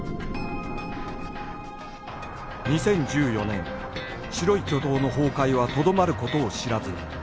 ２０１４年白い巨塔の崩壊はとどまる事を知らず